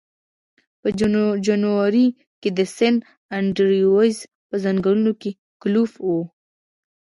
په جنوري کې د سن انډریوز په ځنګلونو کې ګلف و